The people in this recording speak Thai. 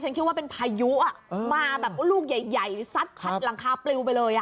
คิดว่าเป็นพายุอ่ะมาแบบลูกใหญ่ซัดคัดหลังคาปลิวไปเลย